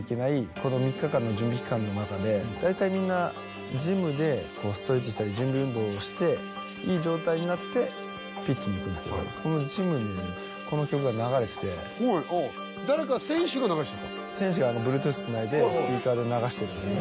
この３日間の準備期間の中で大体みんなジムでストレッチしたり準備運動をしていい状態になってピッチに行くんですけどそのジムにこの曲が流れててはい選手がＢｌｕｅｔｏｏｔｈつないでスピーカーで流してるんですね